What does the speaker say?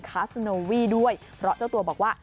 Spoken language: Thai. คาสโนวี่ด้วยเพราะเจ้าตัวบอกว่า